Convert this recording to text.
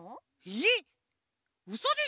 えっ？